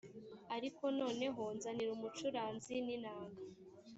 ariko noneho nzanira umucuranzi n inanga